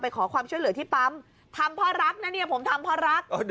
ขอความช่วยเหลือที่ปั๊มทำเพราะรักนะเนี่ยผมทำเพราะรัก